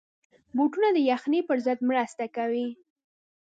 بوټونه د یخنۍ پر ضد مرسته کوي.